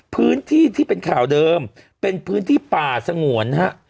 พื้นที่ที่เป็นข่าวเดิมเป็นพื้นที่ป่าสงวนฮะ